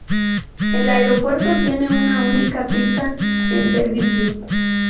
El aeropuerto tiene una única pista en servicio.